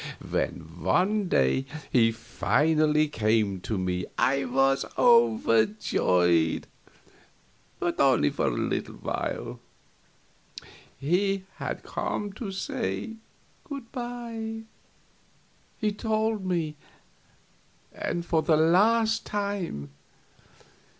When one day he finally came to me I was overjoyed, but only for a little while. He had come to say good by, he told me, and for the last time.